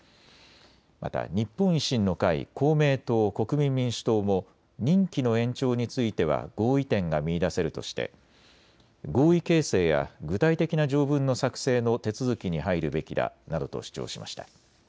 また日本維新の会、公明党、国民民主党も任期の延長については合意点が見いだせるとして合意形成や具体的な条文の作成の手続きに入るべきだなどと主張しました。